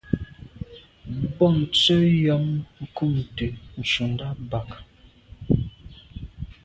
Bontse yàm kùmte ntshundà bag.